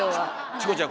チコちゃん